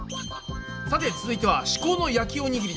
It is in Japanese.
さて続いては至高の焼きおにぎりです。